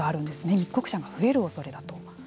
密告者が増えるおそれだと。